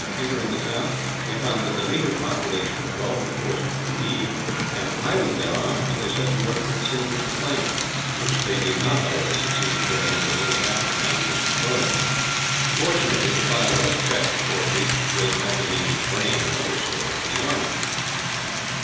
On entering the town, they found that the native population had all been forced to leave and, piling their arms, they set to work to extinguish the flames; which they did not, however, succeed in doing until nearly half the town was destroyed. Fortunately the fire was checked before it reached the great magazines of grain, and other stores, for the army.